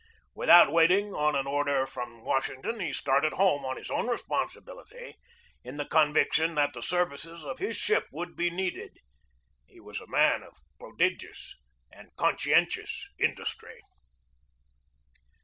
Without waiting on an order from Wash ington, he started home on his own responsibility, in the conviction that the services of his ship would be needed. He was a man of prodigious and conscien tious industry.